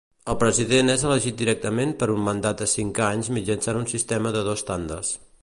El president és elegit directament per un mandat de cinc anys mitjançant un sistema de dos tandes.